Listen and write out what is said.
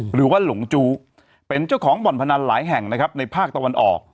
หรือว่าหลงจู้เป็นเจ้าของบ่อนพนันหลายแห่งนะครับในภาคตะวันออก